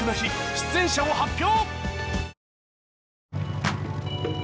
出演者を発表！